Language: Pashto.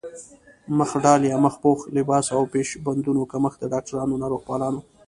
مخ ډال يا مخ پوښ، لباس او پيش بندونو کمښت د ډاکټرانو، ناروغپالانو